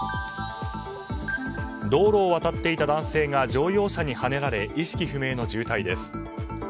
道路を渡っていた男性が乗用車にはねられ意識不明の重体です。